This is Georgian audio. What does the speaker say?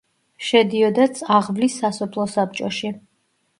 შედიოდა წაღვლის სასოფლო საბჭოში.